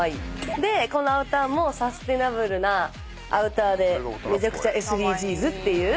でこのアウターもサスティナブルなアウターでめちゃくちゃＳＤＧｓっていう。